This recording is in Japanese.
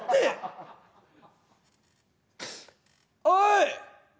「おい！